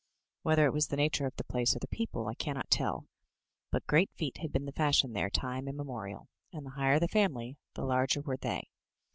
Whether it was the nature of the place or the people, I cannot tell, but great feet had been the fashion there time immemorial, and the higher the family the larger were they.